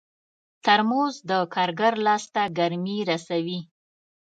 ترموز د کارګر لاس ته ګرمي رسوي.